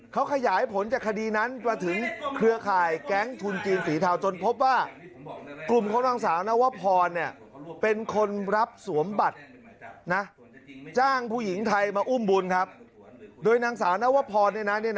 เขาขยายผลจากคดีนั้นมาถึงเครือข่ายแก๊งทุนจีนศรีทาวน์